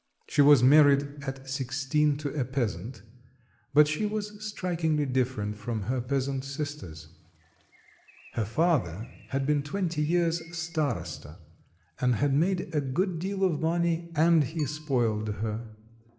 She was married at sixteen to a peasant; but she was strikingly different from her peasant sisters. Her father had been twenty years starosta, and had made a good deal of money, and he spoiled her.